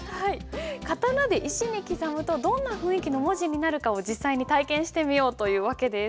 刀で石に刻むとどんな雰囲気の文字になるかを実際に体験してみようという訳です。